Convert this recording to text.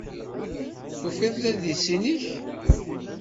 Tufiḍ-d adlis-nnek?